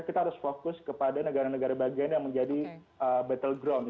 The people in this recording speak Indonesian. kita harus fokus kepada negara negara bagian yang menjadi battle ground